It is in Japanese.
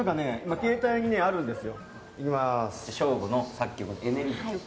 携帯にあるんですよ。